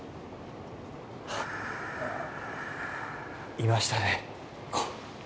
いましたね。